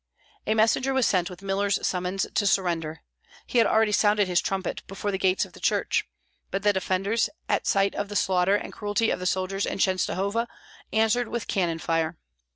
A messenger was sent with Miller's summons to surrender; he had already sounded his trumpet before the gates of the church; but the defenders, at sight of the slaughter and cruelty of the soldiers in Chenstohova, answered with cannon fire.